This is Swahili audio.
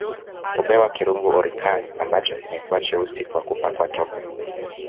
Hupewa kirungu Orikna ambacho kimekuwa cheusi kwa kupakwa tope